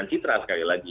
discipulkan nih tadi